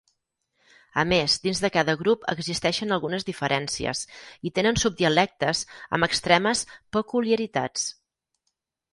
A més, dins de cada grup existeixen algunes diferències i tenen subdialectes amb extremes peculiaritats.